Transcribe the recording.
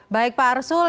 baik pak arsul